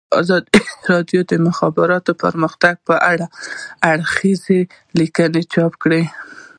ازادي راډیو د د مخابراتو پرمختګ په اړه څېړنیزې لیکنې چاپ کړي.